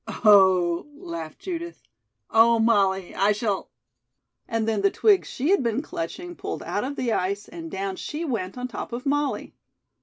"Oh," laughed Judith, "oh, Molly, I shall " and then the twigs she had been clutching pulled out of the ice and down she went on top of Molly.